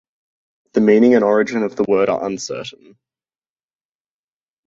The meaning and origin of the word are uncertain.